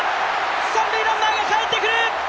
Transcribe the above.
三塁ランナーが帰ってくる。